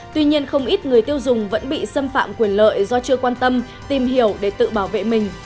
tuy nhiên không ít người tiêu dùng vẫn bị xâm phạm quyền lợi do chưa quan tâm tìm hiểu để tự bảo vệ mình